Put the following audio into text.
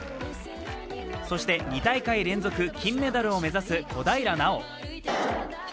そして２大会連続、金メダルを目指す小平奈緒。